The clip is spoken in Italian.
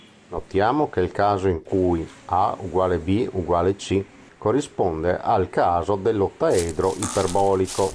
Notiamo che il caso in cui a=b=c corrisponde al caso dell'ottaedro iperbolico.